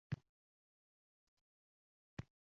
Yoshligimda ham hanuzki oilam mavzusi.